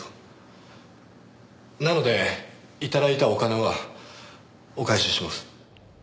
なので頂いたお金はお返しします。